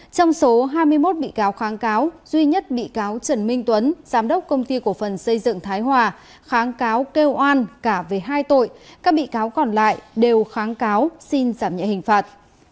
trong số hai mươi một bị cáo kháng cáo duy nhất bị cáo trần minh tuấn giám đốc công ty cổ phần xây dựng thái hòa kháng cáo kêu oan cả về hai tội các bị cáo còn lại đều kháng cáo xin giảm nhẹ hình phạt